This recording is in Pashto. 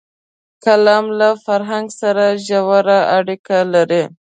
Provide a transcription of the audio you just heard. قلم له فرهنګ سره ژوره اړیکه لري